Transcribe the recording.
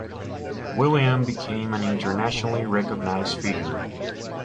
William became an internationally recognised figure.